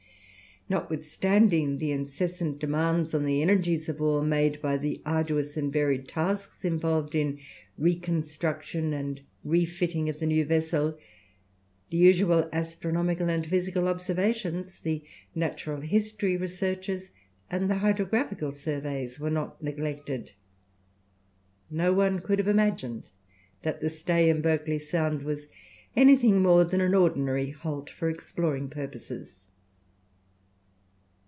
Notwithstanding the incessant demands on the energies of all made by the arduous and varied tasks involved in reconstruction and refitting of the new vessel, the usual astronomical and physical observations, the natural history researches and the hydrographical surveys, were not neglected. No one could have imagined that the stay in Berkeley Sound was anything more than an ordinary halt for exploring purposes.